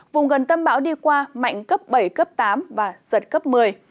vùng gần tâm bão đi qua mạnh cấp bảy cấp tám và giật cấp một mươi